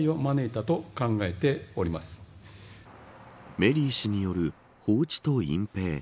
メリー氏による放置と隠蔽。